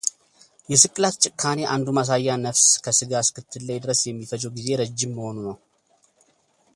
የስቅላት ጭካኔ አንዱ ማሳያ ነፍስ ከሥጋ እስክትለይ ድረስ የሚፈጀው ጊዜ ረጅም መሆኑ ነው።